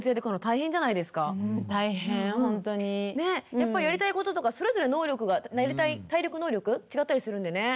やっぱりやりたいこととかそれぞれ能力が体力能力違ったりするんでね。